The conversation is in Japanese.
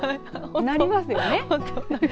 なりますよね。